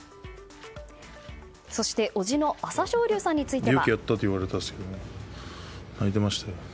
そして、叔父の朝青龍さんについては。